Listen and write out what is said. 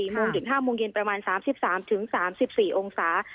โมงถึง๕โมงเย็นประมาณ๓๓๔องศา